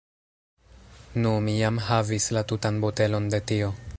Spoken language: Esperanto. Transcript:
Nu, mi jam havis la tutan botelon de tio